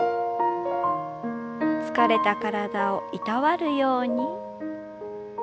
疲れた体をいたわるように。